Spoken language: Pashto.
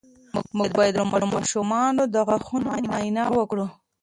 موږ باید د خپلو ماشومانو د غاښونو معاینه وکړو.